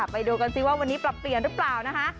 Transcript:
ไปดูกันสิว่าวันนี้ปรับเปลี่ยนหรือเปล่านะคะ